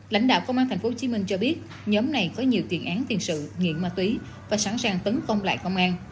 lãnh đạo công an tp hcm cho biết nhóm này có nhiều tiền án tiền sự nghiện ma túy và sẵn sàng tấn công lại công an